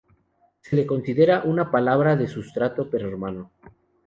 Se la considera una palabra de sustrato prerromano.